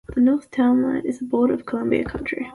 The north town line is the border of Columbia County.